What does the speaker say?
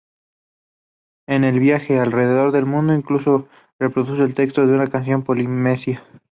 En el "Viaje alrededor del mundo", incluso reproduce el texto de una canción polinesia.